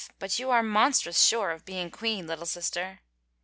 but you are monstrous sure of being queen, little sister